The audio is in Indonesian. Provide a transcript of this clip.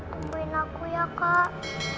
temuin aku ya kak